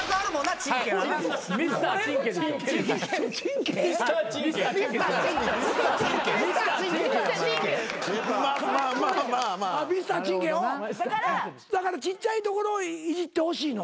ちんけだからちっちゃいところをいじってほしいのか。